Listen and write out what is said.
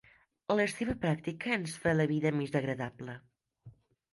La seva pràctica ens fa la vida més agradable.